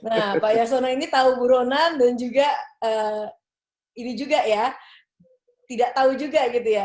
nah pak yasona ini tahu buronan dan juga ini juga ya tidak tahu juga gitu ya